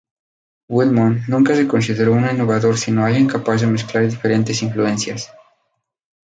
Wilmot nunca se consideró un innovador sino alguien capaz de mezclar diferentes influencias.